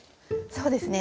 そうですね。